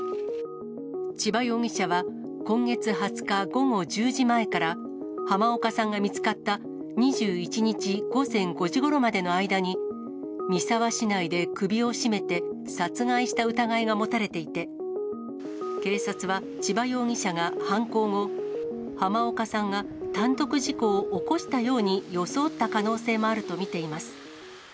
千葉容疑者は、今月２０日午後１０時前から、濱岡さんが見つかった２１日午前５時ごろまでの間に、三沢市内で首を絞めて殺害した疑いが持たれていて、警察は千葉容疑者が犯行後、濱岡さんが単独事故を起こしたように装った可能性もあると見ています。